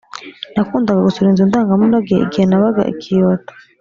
nakundaga gusura inzu ndangamurage igihe nabaga i kyoto.